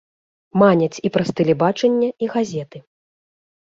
Маняць і праз тэлебачанне і газеты.